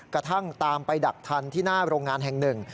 กระทั่งตามไปดักทันที่หน้าโรงงานแห่งหนึ่ง